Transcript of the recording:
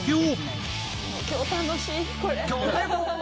今日楽しいこれ。